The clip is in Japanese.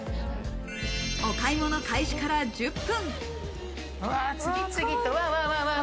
お買い物開始から１０分。